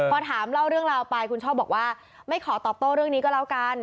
พอถามเล่าเรื่องราวไปคุณช่อบอกว่าไม่ขอตอบโต้เรื่องนี้ก็แล้วกัน